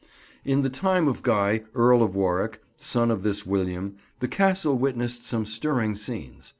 In the time of Guy, Earl of Warwick, son of this William, the Castle witnessed some stirring scenes.